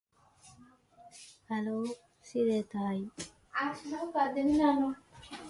Its use is thought to be increasing.